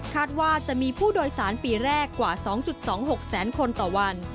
ว่าจะมีผู้โดยสารปีแรกกว่า๒๒๖แสนคนต่อวัน